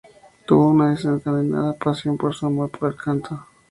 Tuvo una desencadenada pasión por su amor por el canto.